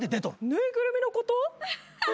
縫いぐるみのこと？